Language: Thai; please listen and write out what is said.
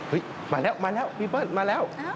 มาแล้วมาแล้วพี่เบิ้ลมาแล้ว